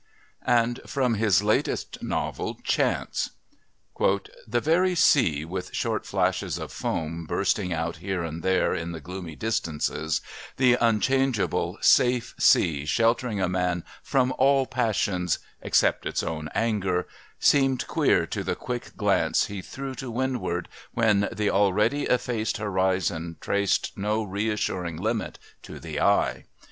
And from his latest novel, Chance: "The very sea, with short flashes of foam bursting out here and there in the gloomy distances, the unchangeable, safe sea sheltering a man from all passions, except its own anger, seemed queer to the quick glance he threw to windward when the already effaced horizon traced no reassuring limit to the eye.